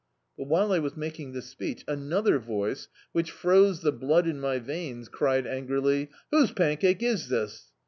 But while I was making this speech another voice, which froze the blood in my veins cried angrily — '"Whose pancake is this?"